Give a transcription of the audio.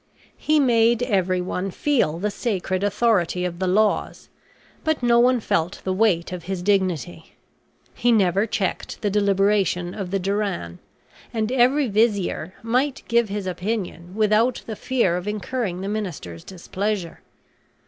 He made everyone feel the sacred authority of the laws, but no one felt the weight of his dignity. He never checked the deliberation of the diran; and every vizier might give his opinion without the fear of incurring the minister's displeasure.